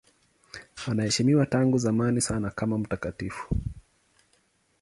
Anaheshimiwa tangu zamani sana kama mtakatifu.